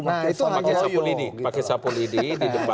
pakai sapu lidi di depan